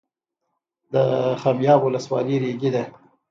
د خمیاب ولسوالۍ ریګي ده